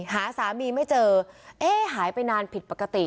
หาสามีไม่เจอเอ๊ะหายไปนานผิดปกติ